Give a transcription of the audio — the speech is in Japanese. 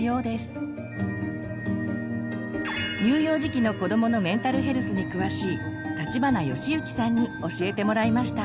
乳幼児期の子どものメンタルヘルスに詳しい立花良之さんに教えてもらいました。